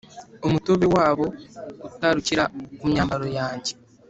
umutobe wabo utarukira ku myambaro yanjye,